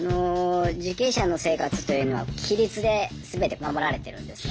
受刑者の生活というのは規律で全て守られてるんですね。